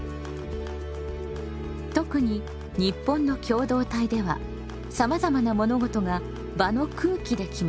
特に日本の共同体ではさまざまな物事が場の空気で決まります。